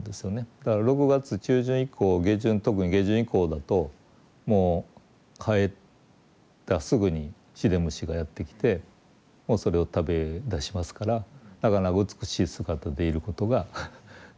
ただ６月中旬以降下旬特に下旬以降だともう生えたすぐにシデムシがやって来てもうそれを食べだしますからだから美しい姿でいることが長い時間続かないというか。